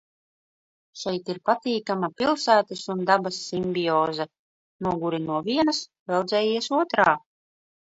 Šeit ir patīkama pilsētas un dabas simbioze – noguri no vienas, veldzējies otrā.